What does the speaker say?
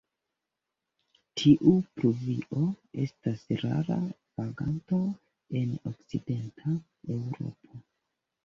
Tiu pluvio estas rara vaganto en okcidenta Eŭropo.